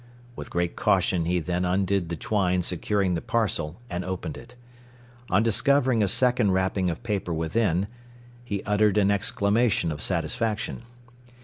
With great caution he then undid the twine securing the parcel, and opened it. On discovering a second wrapping of paper within, he uttered an exclamation of satisfaction.